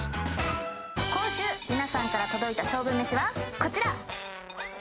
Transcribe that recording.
今週皆さんから届いた勝負めしはこちら。